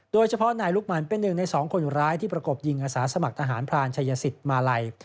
โดยเฉพาะนายลุกมันเป็นหนึ่งในสองคนร้ายที่ประกบยิงอาสาสมัครทหารพรานชายสิทธิ์มาลัย